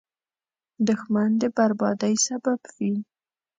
دښمن د بربادۍ سبب وي